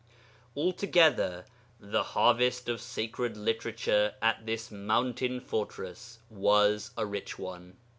Altogether the harvest of sacred literature at this mountain fortress was a rich one.